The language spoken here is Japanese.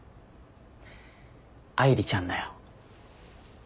愛梨ちゃんだよ。